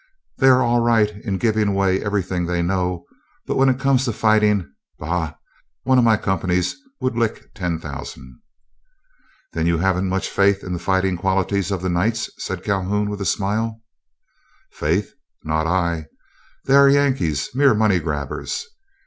They are all right in giving away everything they know; but when it comes to fighting, bah! one of my companies would lick ten thousand." "Then you haven't much faith in the fighting qualities of the Knights?" said Calhoun, with a smile. "Faith? Not I. They are Yankees, mere money grabbers.